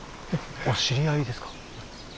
お知り合いですか。